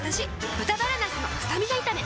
「豚バラなすのスタミナ炒め」